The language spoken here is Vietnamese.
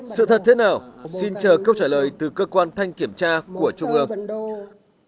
sự thật thế nào xin chờ câu trả lời từ cơ quan thanh kiểm tra của trung ương